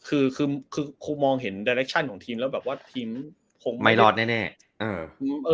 อืมอืมคือคือคุณมองเห็นของทีมแล้วแบบว่าทีมไม่รอดแน่แน่เออ